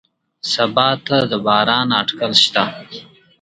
سبا ته د باران اټکل شته